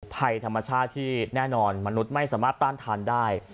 ภัยธรรมชาติที่แน่นอนมนุษย์ไม่สามารถต้านทานได้